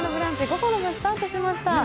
午後の部、スタートしました。